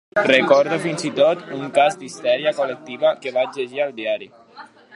Recordo fins i tot un cas d'histèria col·lectiva que vaig llegir al diari.